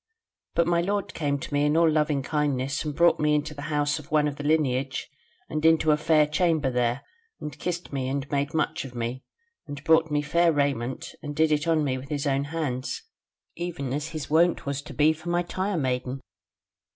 But my lord came to me in all loving kindness and brought me into the house of one of the Lineage, and into a fair chamber there, and kissed me, and made much of me; and brought me fair raiment and did it on me with his own hands, even as his wont was to be for my tire maiden.